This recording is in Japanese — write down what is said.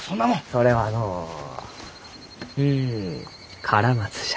それはのううんカラマツじゃ。